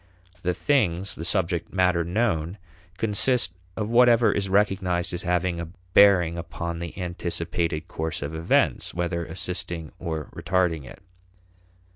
The things, the subject matter known, consist of whatever is recognized as having a bearing upon the anticipated course of events, whether assisting or retarding it.